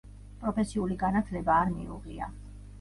პროფესიული განათლება არ მიუღია.